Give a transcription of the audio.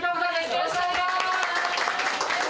よろしくお願いします！